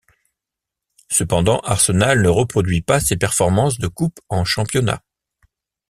Cependant, Arsenal ne reproduit pas ses performances de coupe en championnat.